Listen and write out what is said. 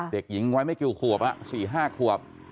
เด็กหญิงไว้ไม่เกี่ยวขวบอะ๔๕ขวบ